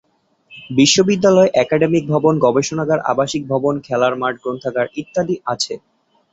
বিশ্ববিদ্যালয়ে একাডেমিক ভবন, গবেষণাগার, আবাসিক ভবন, খেলার মাঠ, গ্রন্থাগার ইত্যাদি আছে।